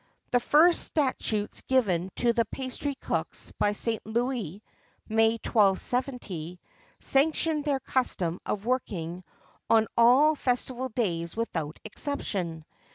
[XXIV 33] The first statutes given to the pastry cooks by St. Louis (May, 1270), sanctioned their custom of working on all festival days without exception.